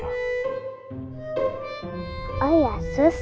oh ya sus